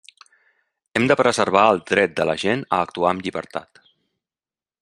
Hem de preservar el dret de la gent a actuar amb llibertat.